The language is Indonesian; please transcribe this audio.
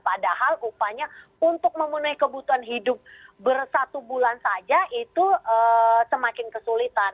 padahal upahnya untuk memenuhi kebutuhan hidup bersatu bulan saja itu semakin kesulitan